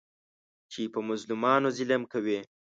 چې په مظلومانو ظلم کوي.